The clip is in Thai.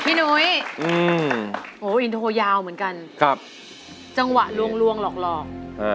พี่หนุ๊ยอืมโหอินโทยาวเหมือนกันครับจังหวะลวงลวงหลอกหลอกอ่า